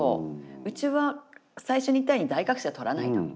「うちは最初に言ったように大学生は取らない」と。